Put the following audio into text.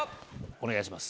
お願いします。